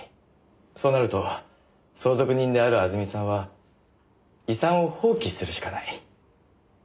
そうなると相続人であるあずみさんは遺産を放棄するしかない。